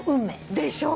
でしょう！